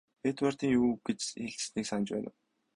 Эдвардын юу гэж хэлснийг санаж байна уу?